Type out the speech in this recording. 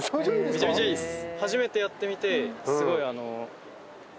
めちゃめちゃいいです。